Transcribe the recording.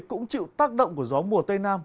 cũng chịu tác động của gió mùa tây nam